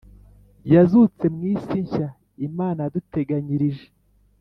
yazutse mu isi nshya Imana yaduteganyirije